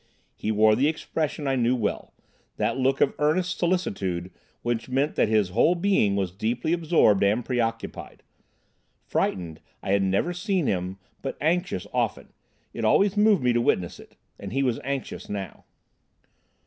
He wore the expression I knew well—that look of earnest solicitude which meant that his whole being was deeply absorbed and preoccupied. Frightened, I had never seen him, but anxious often—it always moved me to witness it—and he was anxious now.